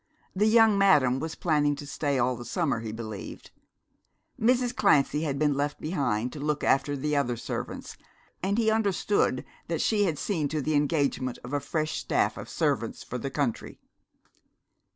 The young madam was planning to stay all the summer, he believed. Mrs. Clancy had been left behind to look after the other servants, and he understood that she had seen to the engagement of a fresh staff of servants for the country.